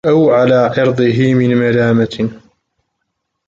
أَوْ عَلَى عِرْضِهِ مِنْ مَلَامَةٍ